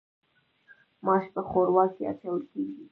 ماش په ښوروا کې اچول کیږي.